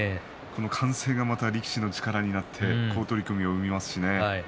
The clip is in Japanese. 歓声がまた力士の力になって好取組を生みますしね。